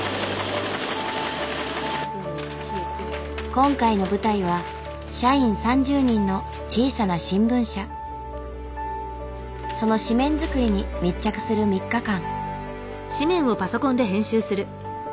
今回の舞台は社員３０人のその紙面作りに密着する３日間。